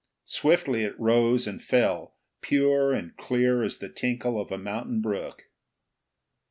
Swiftly it rose and fell, pure and clear as the tinkle of a mountain brook.